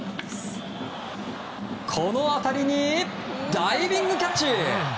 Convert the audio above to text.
この当たりにダイビングキャッチ！